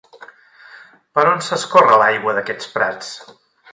Per on s'escorre, l'aigua d'aquests prats?